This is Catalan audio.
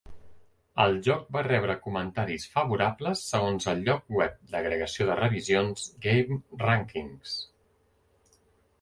El joc va rebre comentaris "favorables" segons el lloc web d'agregació de revisions GameRankings.